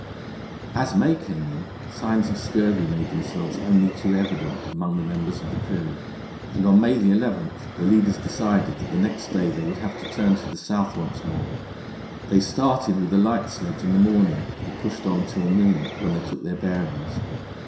As May came in signs of scurvy made themselves only too evident among the members of the crew, and on May 11 the leaders decided that the next day they would have to turn to the south once more. They started with a light sledge in the morning and pushed on till noon, when they took their bearings.